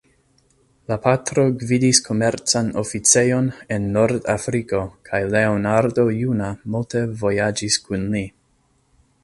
La patro gvidis komercan oficejon en Nord-Afriko kaj Leonardo juna multe vojaĝis kun li.